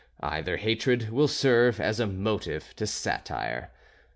Either hatred will serve as a motive to satire.